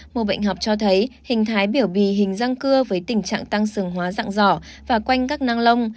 một bệnh học cho thấy hình thái biểu bì hình răng cưa với tình trạng tăng sừng hóa dạng dỏ và quanh các năng lông